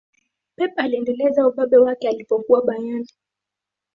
pep aliendeleza ubabe wake alipokuwa bayern